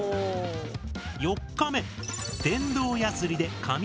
４日目。